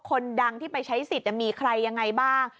คนดังที่ไปใช้สิทธิ์มีใครยังไงบ้าง